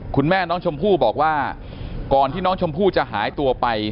คุณแม่น้องชมพู่บอกว่าก่อนที่น้องชมพู่จะหายตัวไป